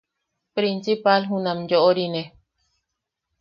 Prinsipal junam yoʼorine.